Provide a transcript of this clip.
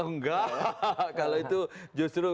nggak kalau itu justru